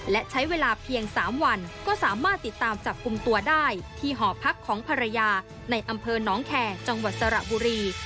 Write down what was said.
และใช้เวลาเพียง๓วันก็สามารถติดตามจับกลุ่มตัวได้ที่หอพักของภรรยาในอำเภอน้องแคร์จังหวัดสระบุรี